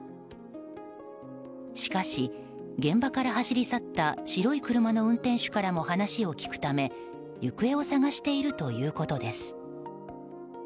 しかし、現場から走り去った白い車の運転手からも話を聞くため行方を捜しているということです。